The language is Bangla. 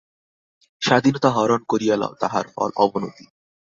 স্বাধীনতা হরণ করিয়া লও, তাহার ফল অবনতি।